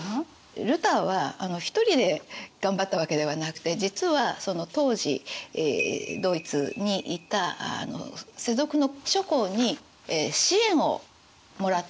ルターは１人で頑張ったわけではなくて実はその当時ドイツにいた世俗の諸侯に支援をもらったんですね。